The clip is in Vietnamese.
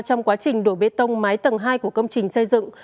trong quá trình đổ bê tông mái tầng hai của công trình xây dựng